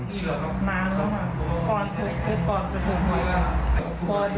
นานแล้วครับคือก่อนจะถูกเวลา